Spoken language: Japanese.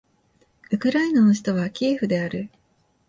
ウクライナの首都はキエフである